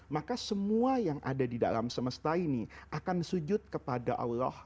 maka semua yang ada di dalam semesta ini akan sujud kepada allah